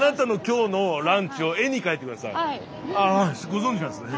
ああご存じなんですね。